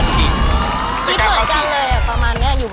ไม่เหมือนกันเลยประมาณนี้